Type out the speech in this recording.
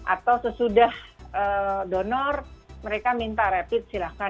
atau sesudah donor mereka minta rapid silahkan